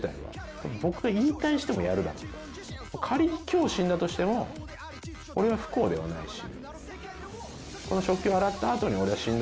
「仮に今日死んだとしても俺は不幸ではないし」